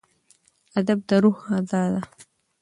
ادب د روح غذا ده.